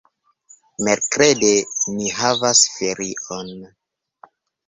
Merkrede ni havas ferion.